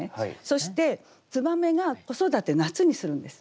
そして燕が子育て夏にするんです。